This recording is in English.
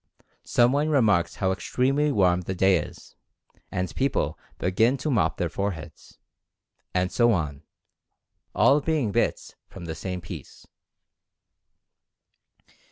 Some one remarks how extremely warm the day is, and people begin to mop their foreheads. And so on — all being bits from the same piece.